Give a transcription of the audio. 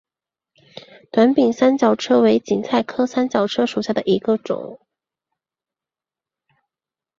短柄三角车为堇菜科三角车属下的一个种。